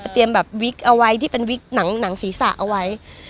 เตรียมแบบวิกเอาไว้ที่เป็นวิกหนังศีรษะเอาไว้